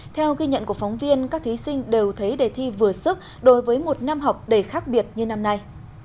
theo ghi nhận của phóng viên các thí sinh đều thấy đề thi vừa sức đối với một năm học đầy khác biệt như năm nay